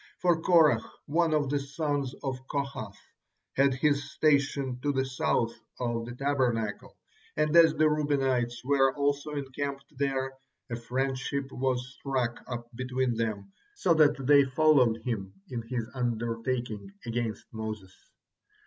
For Korah, one of the sons of Kohath, had his station to the south of the Tabernacle, and as the Reubenites were also encamped there, a friendship was struck up between them, so that they followed him in his undertaking against Moses.